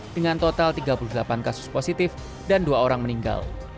dengan total tiga puluh delapan kasus positif dan dua orang meninggal